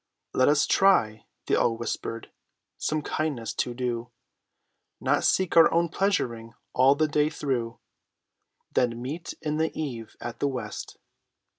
"Let us try," they all whispered, "some kindness to do, Not seek our own pleasuring all the day through, Then meet in the eve at the west."